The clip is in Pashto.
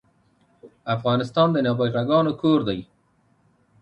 افغانستان د نابغه ګانو کور ده